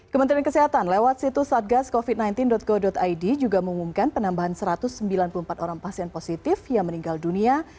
kementerian kesehatan lewat situs satgascovid sembilan belas go id juga mengumumkan penambahan satu ratus sembilan puluh empat orang pasien positif yang meninggal dunia